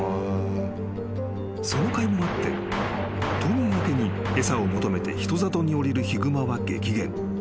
［そのかいもあって冬眠明けに餌を求めて人里に下りるヒグマは激減］